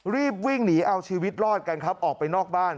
รีบวิ่งหนีเอาชีวิตรอดกันครับออกไปนอกบ้าน